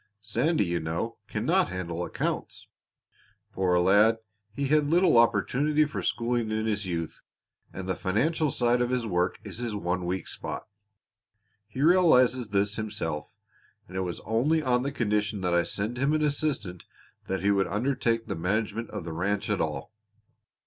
Sandy, you know, cannot handle accounts. Poor lad he had little opportunity for schooling in his youth, and the financial side of his work is his one weak spot. He realizes this himself, and it was only on the condition that I send him an assistant that he would undertake the management of the ranch at all.